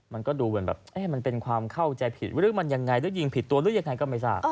มันก็ดูเหมือนแบบมันเป็นความเข้าใจผิดหรือมันยังไงหรือยิงผิดตัวหรือยังไงก็ไม่ทราบ